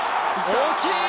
大きい！